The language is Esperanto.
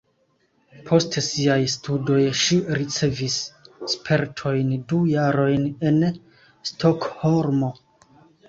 Post siaj studoj ŝi ricevis spertojn du jarojn en Stokholmo.